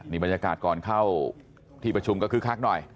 บรรยากาศก่อนเข้าที่ประชุมก็คึกคักหน่อย